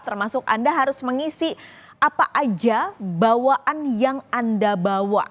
termasuk anda harus mengisi apa aja bawaan yang anda bawa